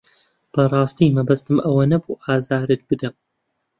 بەڕاستی مەبەستم ئەوە نەبوو ئازارت بدەم.